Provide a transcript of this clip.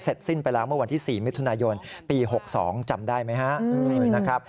เสร็จสิ้นไปแล้วเมื้อวันที่๔มิถุนายนปี๑๙๖๒จำได้ไหมฮะ